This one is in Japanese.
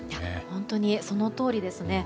本当にそのとおりですね。